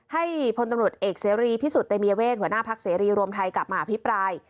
ให้พลตำรวจเอกเสรีพิสุทธิ์เตมียเวทหัวหน้าพักเสรีรวมไทยกลับมาอภิปราย